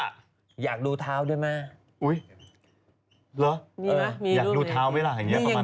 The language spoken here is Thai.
โอลี่คัมรี่ยากที่ใครจะตามทันโอลี่คัมรี่ยากที่ใครจะตามทัน